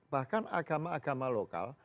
bahkan agama agama lokal